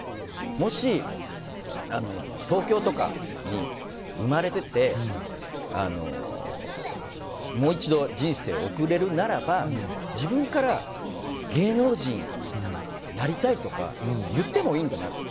もし、東京とかに生まれててもう一度人生を送れるならば自分から芸能人になりたいとか言ってもいいんだなって。